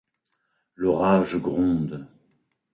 L’orage gronde.